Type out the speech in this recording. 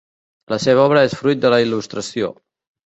La seva obra és fruit de la il·lustració.